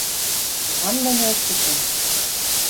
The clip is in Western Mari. Мам мӹньӹ ӹштӹшӹм?..